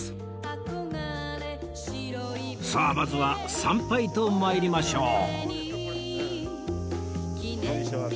さあまずは参拝と参りましょう